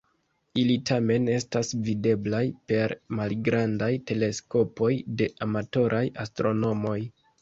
Ili tamen estas videblaj per malgrandaj teleskopoj de amatoraj astronomoj.